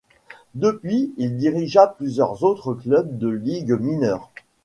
Depuis, il dirigea plusieurs autres clubs de ligues mineures.